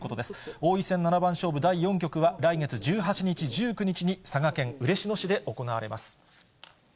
王位戦七番勝負第４局は、来月１８日、１９日に佐賀県嬉野市で行われます。